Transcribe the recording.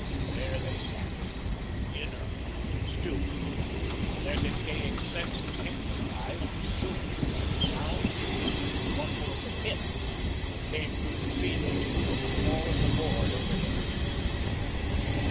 There they sat, inert, stupid, their decaying senses hypnotised and soothed by the sound of the distant rumble of the Pit, that came through the ceiling from the floor of the Board overhead.